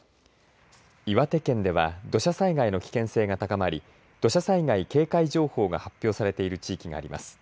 岩手県では土砂災害の危険性が高まり土砂災害警戒情報が発表されている地域があります。